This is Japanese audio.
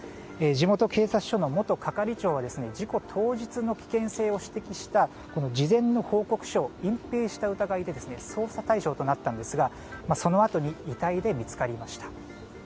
地元警察署の元係長は事故当日の危険性を指摘した事前の報告書を隠ぺいした疑いで捜査対象となったんですがそのあとに遺体で見つかりました。